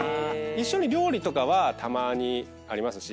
一緒に料理とかはたまにありますし。